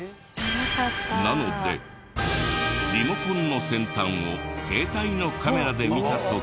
なのでリモコンの先端を携帯のカメラで見た時。